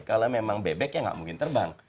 kalau memang bebek ya nggak mungkin terbang